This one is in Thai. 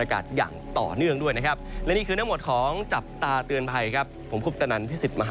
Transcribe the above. น่าการอย่างต่อเนื่องด้วยนะครับและนี่คือน